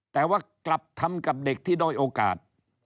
แต่ว่ากลับทำกับเด็กที่ด้อยโอกาส